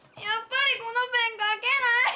やっぱりこのペン書けない！